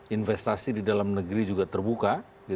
investasi di dalam negeri juga terbuka